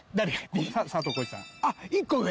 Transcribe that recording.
あっ１個上。